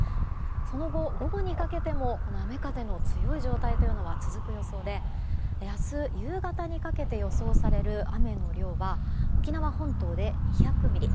その後、午後にかけてもこの雨風の強い状態は続く予想で明日夕方にかけて予想される雨の量は沖縄本島で２００ミリ。